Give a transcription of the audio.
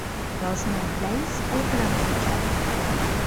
Person and place open up to each other.